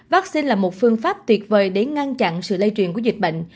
vaccine là một phương pháp tuyệt vời để ngăn chặn sự lây truyền của dịch bệnh